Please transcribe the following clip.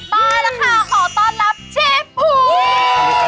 ได้แล้วค่ะขอต้อนรับเชฟภูมิ